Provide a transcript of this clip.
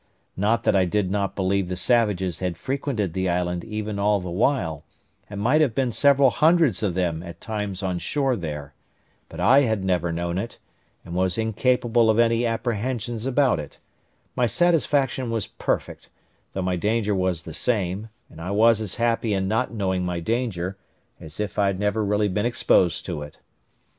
Not that I did not believe the savages had frequented the island even all the while, and might have been several hundreds of them at times on shore there; but I had never known it, and was incapable of any apprehensions about it; my satisfaction was perfect, though my danger was the same, and I was as happy in not knowing my danger as if I had never really been exposed to it.